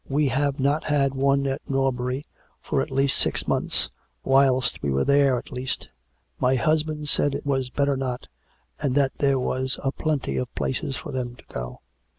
" We have not had one at Norbury for the last six months, whilst we were there, at least. My husband said it was better not, and that there was a plenty of places for them to go to."